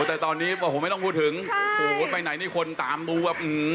แต่ตอนนี้ผมไม่ต้องพูดถึงไปไหนนี่คนตามบุ๊คแบบอืม